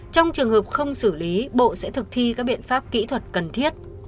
trong trường hợp không xử lý bộ sẽ thực thi các biện pháp kỹ thuật cần thiết